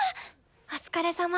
お疲れさま。